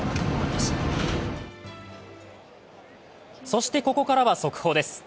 そしてここからは速報です。